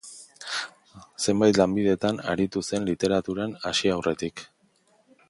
Zenbait lanbidetan aritu zen literaturan hasi aurretik.